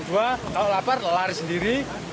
kalau lapar lari sendiri